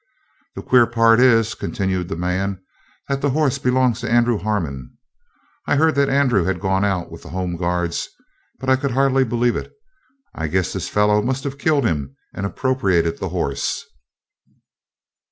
"The queer part is," continued the man, "that the horse belongs to Andrew Harmon. I heard that Andrew had gone out with the Home Guards, but I could hardly believe it. I guess this fellow must have killed him and appropriated the horse."